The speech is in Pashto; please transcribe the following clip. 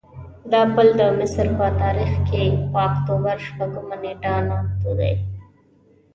دا پل د مصر په تاریخ کې په اکتوبر شپږمه نېټه نامتو دی.